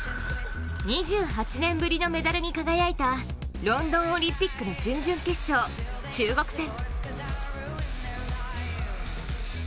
２８年ぶりのメダルに輝いたロンドンオリンピックの準々決勝、中国戦。